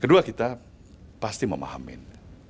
kedua kita pasti memahamin